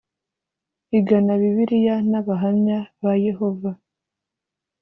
Igana Bibiliya n'abahamya ba Yehova